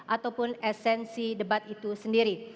ataupun esensi debat itu sendiri